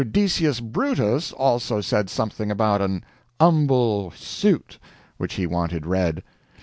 Decius Brutus also said something about an "humble suit" which he wanted read.